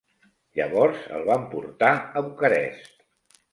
Llavors el van portar a Bucarest.